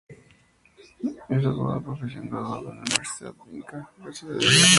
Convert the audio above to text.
Es abogado de profesión, graduado en la Universidad Inca Garcilaso de la Vega.